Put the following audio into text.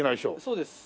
そうです。